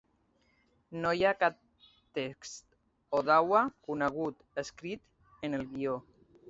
No hi cap text Odawa conegut escrit en el guió.